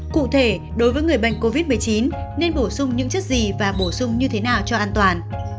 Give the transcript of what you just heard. cụ thể đối với người bệnh covid một mươi chín nên bổ sung những chất gì và bổ sung như thế nào cho an toàn